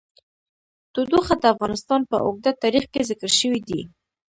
تودوخه د افغانستان په اوږده تاریخ کې ذکر شوی دی.